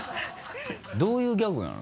どういうギャグなの？